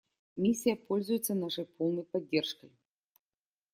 Миссия пользуется нашей полной поддержкой.